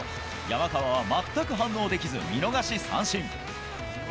山川は全く反応できず、見逃し三振。